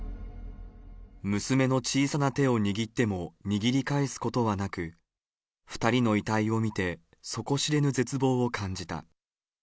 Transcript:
娘の小さな手を握っても握り返すことはなく、２人の遺体を見て底知れぬ絶望を感じた。